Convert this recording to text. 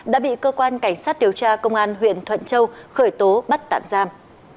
đã bị cơ quan cảnh sát điều tra công an huyện thuận châu khởi tố bắt tạm giam